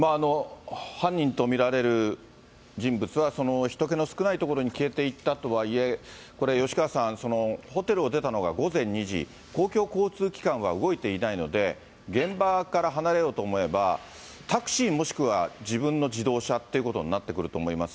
犯人と見られる人物はひと気の少ない所に消えていったとはいえ、これ、吉川さん、ホテルを出たのが午前２時、公共交通機関は動いていないので、現場から離れようと思えば、タクシーもしくは自分の自動車ってことになってくると思います。